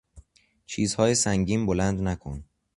چیزهای سنگین بلند نکن!